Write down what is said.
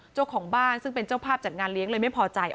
เจ้าของบ้านซึ่งเป็นเจ้าภาพจัดงานเลี้ยงเลยไม่พอใจ